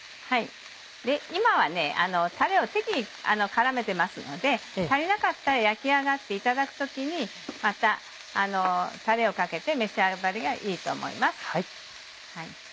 今はたれを適宜絡めてますので足りなかったら焼き上がっていただく時にまたたれをかけて召し上がればいいと思います。